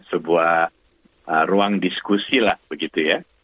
sebuah ruang diskusi lah begitu ya